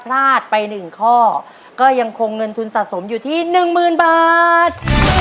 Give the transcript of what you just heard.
พลาดไป๑ข้อก็ยังคงเงินทุนสะสมอยู่ที่๑๐๐๐๐บาท